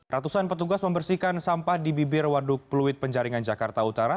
ratusan petugas membersihkan sampah di bibir waduk pluit penjaringan jakarta utara